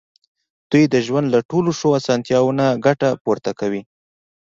دوی د ژوند له ټولو ښو اسانتیاوو نه ګټه پورته کوي.